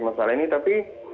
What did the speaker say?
masalah ini tapi